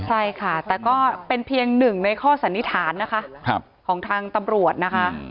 แต่ก็เป็นเพียง๑ในข้อสรริฐานนะคะของทางตำรวจนะคะ